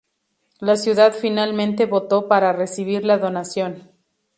La ciudad finalmente votó para recibir la donación.